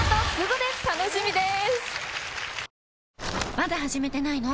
まだ始めてないの？